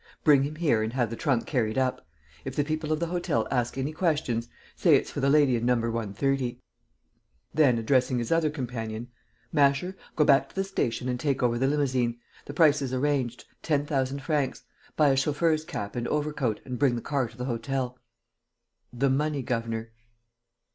Bring him here and have the trunk carried up. If the people of the hotel ask any questions, say it's for the lady in No. 130." Then, addressing his other companion: "Masher, go back to the station and take over the limousine. The price is arranged: ten thousand francs. Buy a chauffeur's cap and overcoat and bring the car to the hotel." "The money, governor."